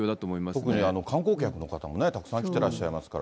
特に観光客の方もね、たくさん来てらっしゃいますから。